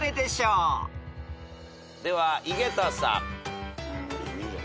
では井桁さん。